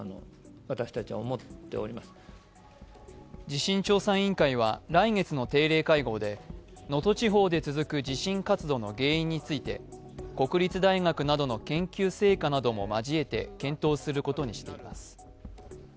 地震調査委員会は来月の定例会合で能登地方で続く地震活動の原因について国立大学などの研究成果なども交えて検討することにしています。